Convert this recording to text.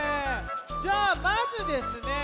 じゃあまずですね